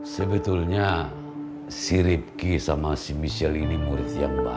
sebetulnya si ripki sama si michelle ini murid yang baik